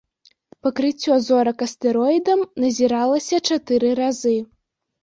Пакрыццё зорак астэроідам назіралася чатыры разы.